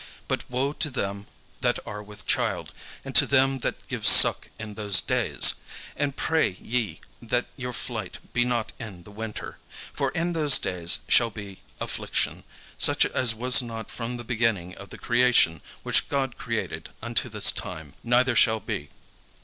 But woe to them that are with child, and to them that give suck in those days! And pray ye that your flight be not in the winter. For in those days shall be affliction, such as was not from the beginning of the creation which God created unto this time, neither shall be.